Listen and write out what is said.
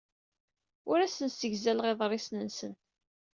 Ur asen-ssegzaleɣ iḍrisen-nsen.